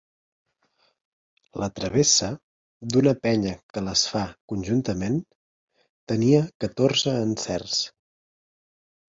La travessa, d’una penya que les fa conjuntament, tenia catorze encerts.